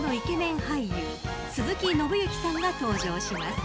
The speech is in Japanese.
俳優鈴木伸之さんが登場します。